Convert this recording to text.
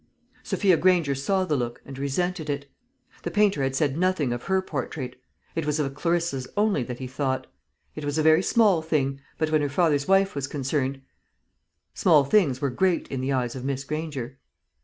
Sophia Granger saw the look, and resented it. The painter had said nothing of her portrait. It was of Clarissa's only that he thought. It was a very small thing; but when her father's wife was concerned, small things were great in the eyes of Miss Granger.